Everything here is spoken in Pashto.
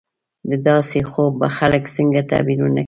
د داسې خوب به خلک څنګه تعبیرونه کوي